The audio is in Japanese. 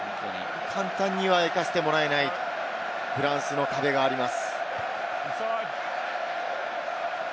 簡単には行かせてもらえないフランスの壁があります。